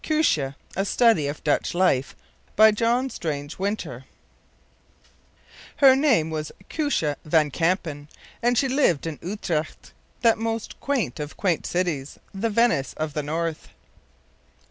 KOOSJE: A STUDY OF DUTCH LIFE, by John Strange Winter Her name was Koosje van Kampen, and she lived in Utrecht, that most quaint of quaint cities, the Venice of the North.